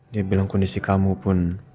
dia bilang kondisi kamu pun